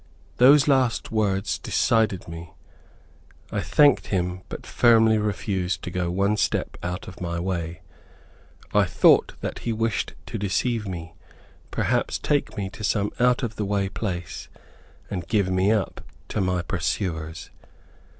Those last words decided me. I thanked him, but firmly refused to go one step out of my way. I thought that he wished to deceive me, perhaps take me to some out of the way place, and give me up to my pursuers.